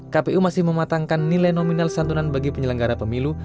kpu masih mematangkan nilai nominal santunan bagi penyelenggara pemilu